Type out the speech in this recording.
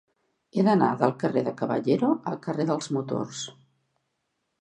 He d'anar del carrer de Caballero al carrer dels Motors.